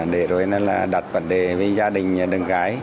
để rồi nó là đặt vấn đề với gia đình đơn gái